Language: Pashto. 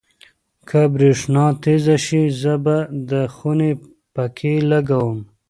که برېښنا تېزه شي، زه به د خونې پکۍ لګوم.